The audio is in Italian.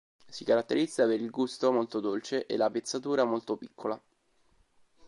Si caratterizza per il gusto molto dolce e la pezzatura molto piccola.